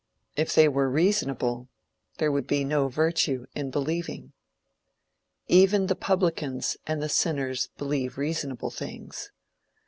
If they were reasonable, there would be no virtue in believing. Even the publicans and sinners believe reasonable things.